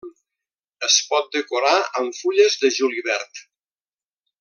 Es pot decorar amb fulles de julivert.